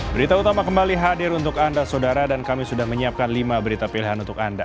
berita utama kembali hadir untuk anda saudara dan kami sudah menyiapkan lima berita pilihan untuk anda